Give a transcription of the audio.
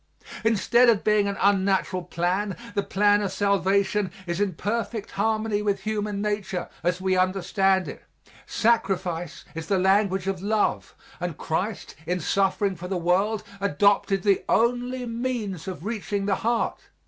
Instead of being an unnatural plan, the plan of salvation is in perfect harmony with human nature as we understand it. Sacrifice is the language of love, and Christ, in suffering for the world, adopted the only means of reaching the heart.